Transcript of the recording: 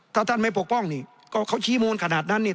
ถ้าท่านไม่ปกป้องนี่ก็เขาชี้มูลขนาดนั้นนี่